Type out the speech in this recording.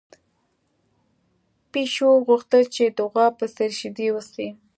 پيشو غوښتل چې د غوا په څېر شیدې وڅښي.